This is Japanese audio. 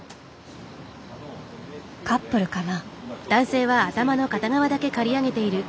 カップルかな？